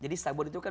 jadi sabun itu kan